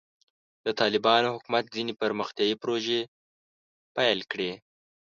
د طالبانو حکومت ځینې پرمختیایي پروژې پیل کړې.